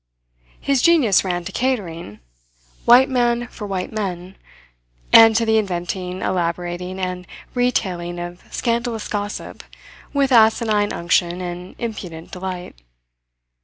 His genius ran to catering, "white man for white men" and to the inventing, elaborating, and retailing of scandalous gossip with asinine unction and impudent delight.